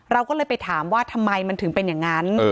เราก็เลยไปถามว่าทำไมมันถึงเป็นอย่างนั้น